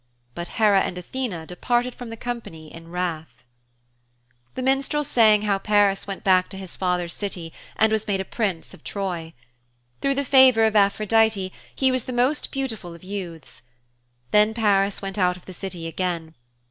But Hera and Athene departed from the company in wrath. The minstrel sang how Paris went back to his father's City and was made a prince of Troy. Through the favor of Aphrodite he was the most beautiful of youths. Then Paris went out of the City again.